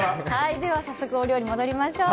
早速、お料理戻りましょう。